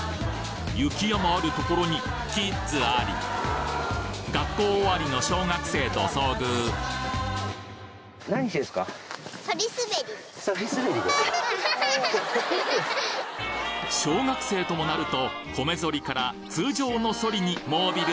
雪山あるところにキッズあり学校終わりの小学生と遭遇小学生ともなると米ゾリから通常のソリにモービル